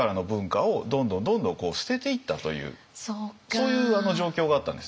そういう状況があったんです。